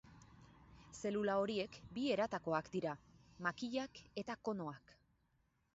Zelula horiek bi eratakoak dira: makilak eta konoak.